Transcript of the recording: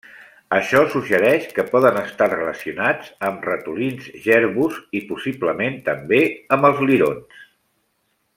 Això suggereix que poden estar relacionats amb ratolins, jerbus, i possiblement també amb els lirons.